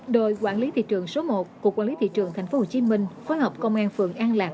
đội quản lý thị trường số một của quản lý thị trường tp hcm phối hợp công an phường an lạc